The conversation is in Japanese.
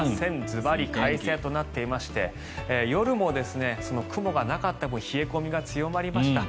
ズバリ快晴となっていまして夜も雲がなかった分冷え込みが強まりました。